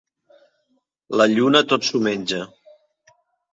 La lluna tot s'ho menja.